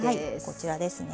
こちらですね。